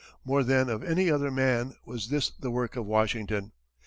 More than of any other man was this the work of Washington.